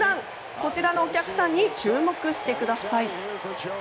こちらのお客さんに注目してください。